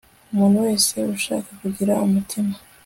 Umuntu wese ushaka kugira umutima